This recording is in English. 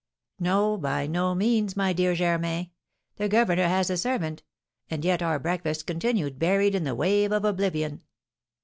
No, by no means, my dear Germain; the governor has a servant, and yet our breakfast continued buried in the wave of oblivion.